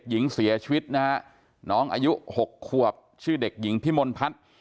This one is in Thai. หญิงเสียชีวิตนะฮะน้องอายุ๖ขวบชื่อเด็กหญิงพิมลพัฒน์